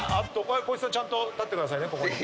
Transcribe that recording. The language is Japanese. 光一さんちゃんと立ってくださいね。